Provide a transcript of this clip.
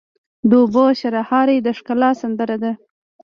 د اوبو شرهاری د ښکلا سندره ده.